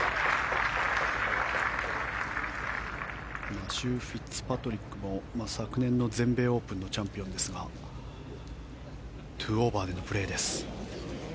マシュー・フィッツパトリックも昨年の全米オープンのチャンピオンですが２オーバーでのプレーです。